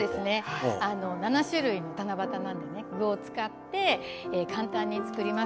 ７種類の七夕なので、具を使って簡単に作ります。